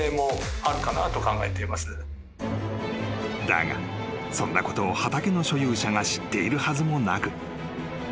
［だがそんなことを畑の所有者が知っているはずもなく］